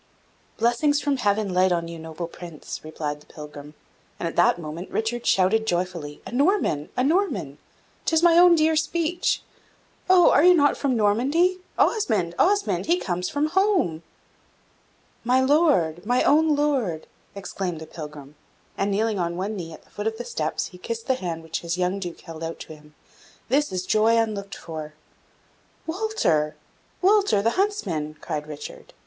"Blessings from Heaven light on you, noble Prince," replied the pilgrim, and at that moment Richard shouted joyfully, "A Norman, a Norman! 'tis my own dear speech! Oh, are you not from Normandy? Osmond, Osmond! he comes from home!" "My Lord! my own Lord!" exclaimed the pilgrim, and, kneeling on one knee at the foot of the steps, he kissed the hand which his young Duke held out to him "This is joy unlooked for!" "Walter! Walter, the huntsman!" cried Richard.